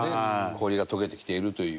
氷が解けてきているという。